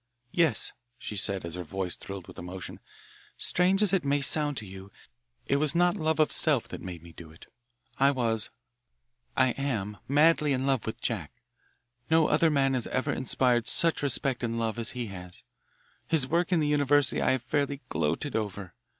"Yes," she said as her voice thrilled with emotion, "strange as it may sound to you, it was not love of self that made me do it. I was, I am madly in love with Jack. No other man has ever inspired such respect and love as he has. His work in the university I have fairly gloated over.